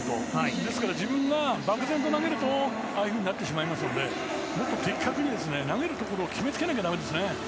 ですから漠然と投げるとああいうふうになってしまいますのでもっと的確に投げるところを決めつけなきゃだめですね。